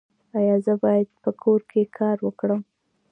ایا زه باید په کور کې کار وکړم؟